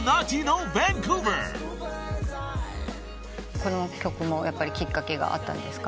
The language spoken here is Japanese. この曲もやっぱりきっかけがあったんですか？